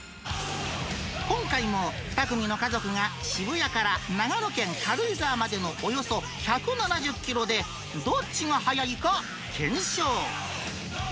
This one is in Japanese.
今回も、２組の家族が、渋谷から長野県軽井沢までのおよそ１７０キロで、どっちがはやいか検証。